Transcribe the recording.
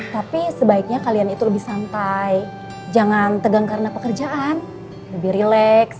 tapi sebaiknya kalian itu lebih santai jangan tegang karena pekerjaan lebih rileks